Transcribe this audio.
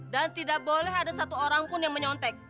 dan tidak boleh ada satu orang pun yang menyontek